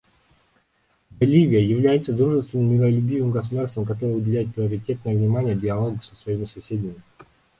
Боливия является дружественным, миролюбивым государством, которое уделяет приоритетное внимание диалогу со своими соседями.